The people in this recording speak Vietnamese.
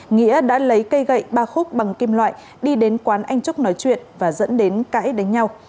nghĩa đã lấy cây gậy ba khúc bằng kim loại đi đến quán anh trúc nói chuyện và dẫn đến cãi đánh nhau